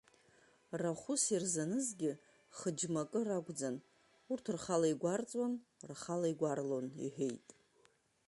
Рахәыс ирзанызгьы хы-џьмакы ракәӡан, урҭ рхала игәарҵуан, рхала игәарлон, — иҳәеит.